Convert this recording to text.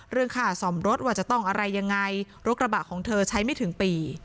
เรื่องค่าซ่อมรถว่าจะต้องอะไรยังไงรถกระบะของเธอใช้ไม่ถึงปี